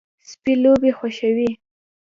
سپي لوبې خوښوي.